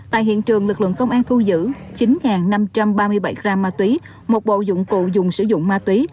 tại hiện trường lực lượng công an thu giữ chín năm trăm ba mươi bảy gram ma túy một bộ dụng cụ dùng sử dụng ma túy